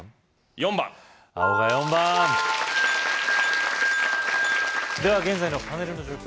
４番青が４番・・では現在のパネルの状況